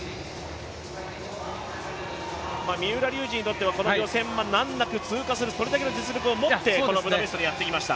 三浦龍司にとってはこの予選は難なく通過する、それだけの実力を持って、このブダペストにやってきました。